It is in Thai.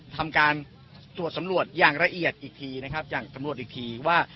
ทำการตรวจสำรวจอย่างละเอียดอีกทีนะครับอย่างสำรวจอีกทีว่า